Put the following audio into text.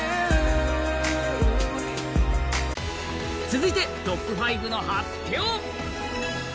続いてトップ５の発表。